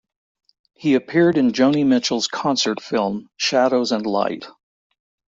He appeared in Joni Mitchell's concert film "Shadows and Light".